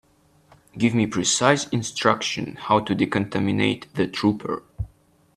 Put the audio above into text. Give me precise instructions how to decontaminate the trooper.